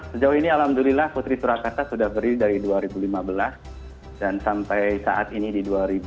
sejauh ini alhamdulillah putri surakarta sudah beri dari dua ribu lima belas dan sampai saat ini di dua ribu dua puluh